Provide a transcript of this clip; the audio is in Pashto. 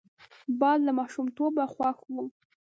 باد له ماشومتوبه خوښ وو